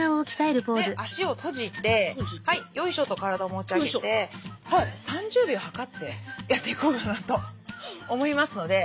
足を閉じてヨイショと体を持ち上げて３０秒計ってやっていこうかなと思いますので。